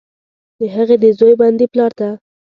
د هغې، د زوی، بندي پلارته،